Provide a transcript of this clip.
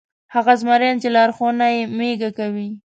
هغه زمریان چې لارښوونه یې مېږه کوي.